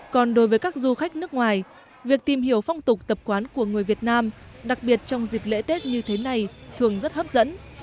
còn đối với các du khách nước ngoài việc tìm hiểu phong tục tập quán của người việt nam đặc biệt trong dịp lễ tết như thế này thường rất hấp dẫn